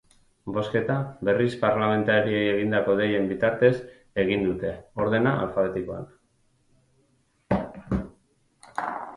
Bozketa, berriz, parlamentariei egindako deien bitartez egin dute, ordena alfabetikoan.